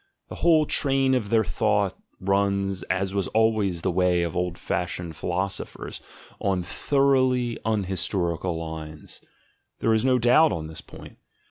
The whole train of their thought runs, as was always the way of old fashioned philosophers, on thor oughly unhistorical lines: there is no doubt on this point.